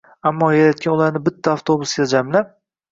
Ammo Yaratgan ularni bitta avtobusda jamlab